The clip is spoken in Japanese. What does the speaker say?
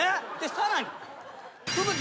さらに。